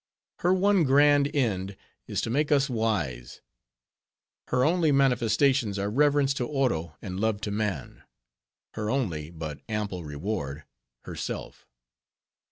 Her one grand end is to make us wise; her only manifestations are reverence to Oro and love to man; her only, but ample reward, herself.